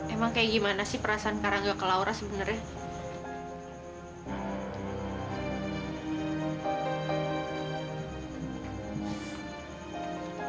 emang kayak gimana sih perasaan kak rangga ke laura sebenernya